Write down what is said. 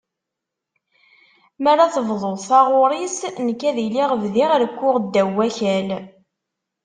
Mi ara tebduḍ taɣuri-s nekk ad iliɣ bdiɣ rekkuɣ ddaw n wakal.